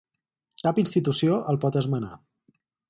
Cap institució el pot esmenar.